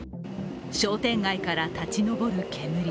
商店街から立ち上る煙。